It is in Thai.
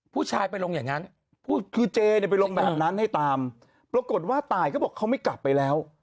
ผู้ชายไปลงอย่างนั้นพูดคือเจเนี่ยไปลงแบบนั้นให้ตามปรากฏว่าตายก็บอกเขาไม่กลับไปแล้ว